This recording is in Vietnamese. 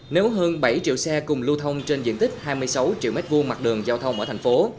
nếu hơn bảy triệu xe cùng lưu thông trên diện tích hai mươi sáu triệu m hai mặt đường giao thông ở thành phố